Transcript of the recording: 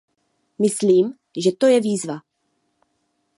Myslím, že to je výzva.